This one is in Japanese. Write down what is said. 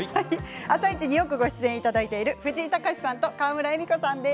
「あさイチ」によくご出演いただいている藤井隆さんと川村エミコさんです。